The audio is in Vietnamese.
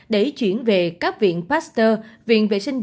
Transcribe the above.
để chuyển về các viện pasteur